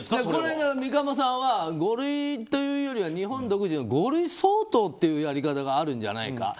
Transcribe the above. これが三鴨さんは五類というよりは日本独自の五類相当というやり方があるんじゃないか。